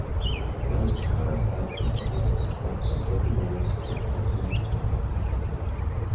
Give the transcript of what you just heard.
Ballast cars had to be coupled to the front of locomotives to detonate mines.